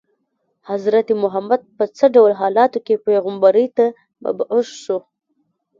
حضرت محمد په څه ډول حالاتو کې پیغمبرۍ ته مبعوث شو.